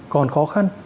còn khó khăn